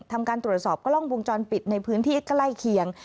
ทำการตรวจสอบกล้องวงจรปิดในพื้นที่ใกล้เคียง